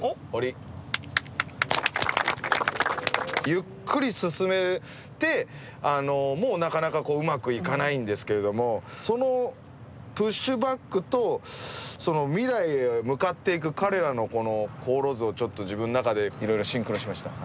ゆっくり進めてもなかなかうまくいかないんですけれどもそのプッシュバックと未来へ向かっていく彼らの航路図をちょっと自分の中でいろいろシンクロしました。